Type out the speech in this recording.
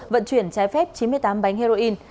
vận chuyển trái phép chín mươi tám bánh heroin